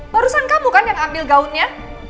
barusan kamu kan yang ambil gaunnya